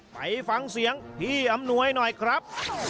ไปฟังเสียงพี่อำนวยหน่อยครับ